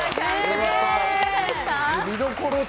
いかがでした？